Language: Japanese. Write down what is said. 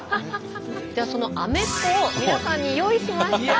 ではそのアメッコを皆さんに用意しました。